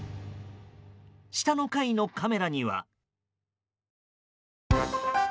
下の階のカメラには。